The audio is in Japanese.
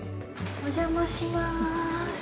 お邪魔します。